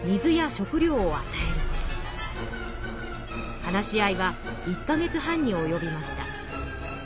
話し合いは１か月半におよびました。